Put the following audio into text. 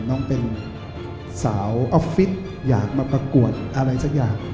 น้องเป็นสาวออฟฟิศอยากมาประกวดอะไรสักอย่าง